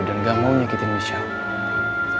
dan gak mau nyakitin michelle